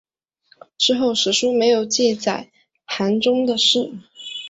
之后史书没有记载韩忠的事。